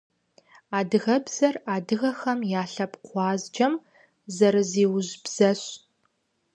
Адыгэбзэр адыгэхэм я лъэпкъ гъуазджэм зэрызиужь бзэщ.